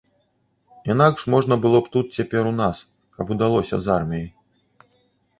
Інакш можа было б тут цяпер у нас, каб удалося з арміяй.